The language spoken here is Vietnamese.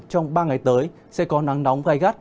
trong ba ngày tới sẽ có nắng nóng gai gắt